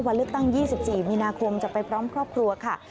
วันเลือกตั้ง๒๔มีนาคมจะไปพร้อมครอบครัวค่ะ